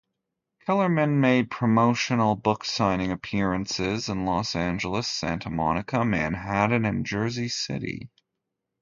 Kellerman made promotional book-signing appearances in Los Angeles, Santa Monica, Manhattan and Jersey City.